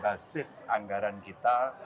basis anggaran kita